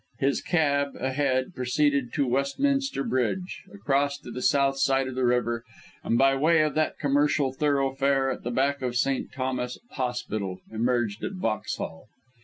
His cab, ahead, proceeded to Westminster Bridge, across to the south side of the river, and by way of that commercial thoroughfare at the back of St. Thomas' Hospital, emerged at Vauxhall.